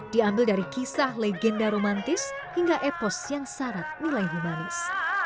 diambil dari kisah legenda romantis hingga epos yang syarat nilai humanis